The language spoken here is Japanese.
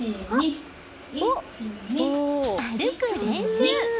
歩く練習。